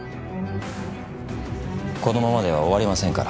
このままでは終わりませんから。